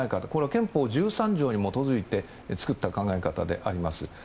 憲法１３条に基づいて作った考え方であります。